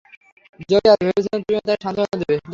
Xavier, ভেবেছিলাম তুমি ওকে সান্ত্বনা দিবে।